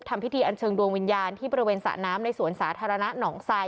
ทำพิธีอันเชิญดวงวิญญาณที่บริเวณสระน้ำในสวนสาธารณะหนองไซ